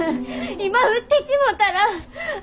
今売ってしもたら。